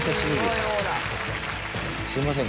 すみません